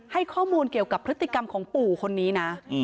ให้ข้อมูลเกี่ยวกับพฤติกรรมของปู่คนนี้นะ